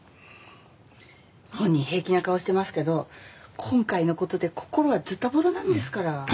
本人平気な顔してますけど今回の事で心はズタボロなんですから。